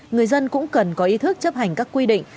người dân cũng cần có ý thức chấp hành các quy định